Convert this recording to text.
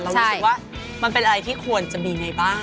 รู้สึกว่ามันเป็นอะไรที่ควรจะมีไงบ้าง